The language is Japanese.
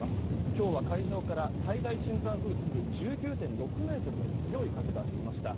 今日は海上から最大瞬間風速１９．６メートルの強い風が吹きました。